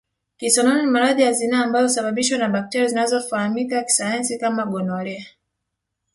Kisonono ni maradhi ya zinaa ambayo husababishwa na bakteria zinazofahamika kisayansi kama gonolea